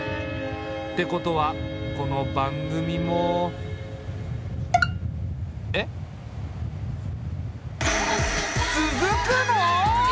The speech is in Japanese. ってことはこの番組も。えっ？つづくの！？